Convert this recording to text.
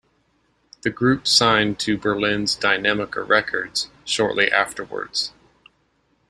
The group signed to Berlin's Dynamica Records shortly afterwards.